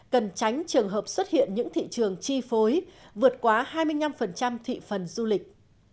cần tránh trường hợp xuất hiện những thị trường chi phối vượt quá hai mươi năm thị phần du lịch